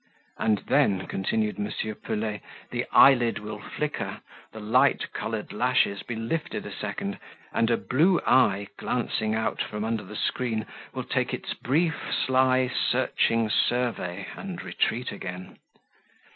"And then," continued M. Pelet, "the eyelid will flicker, the light coloured lashes be lifted a second, and a blue eye, glancing out from under the screen, will take its brief, sly, searching survey, and retreat again."